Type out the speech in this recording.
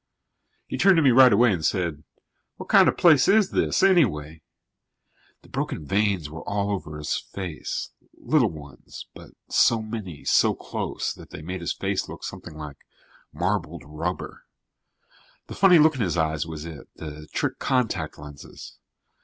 He turned to me right away and said: "What kind of a place is this, anyway?" The broken veins were all over his face, little ones, but so many, so close, that they made his face look something like marbled rubber. The funny look in his eyes was it the trick contact lenses.